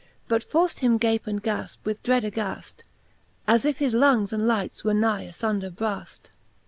But forft him gape and ga{pe, with dread aghaft. As if his lungs and lites were nigh a funder braft.